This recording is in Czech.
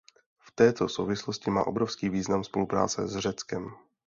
V této souvislosti má obrovský význam spolupráce s Řeckem.